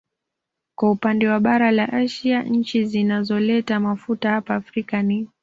Kwa upande wa bara la Asia nchi zinazoleta mafuta hapa Afrika ni